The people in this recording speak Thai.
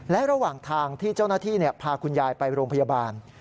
และระหว่างทางที่เจ้าหน้าที่พาคุณยายไปโรงพยาบาล